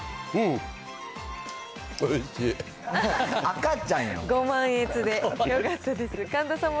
赤ちゃんやん。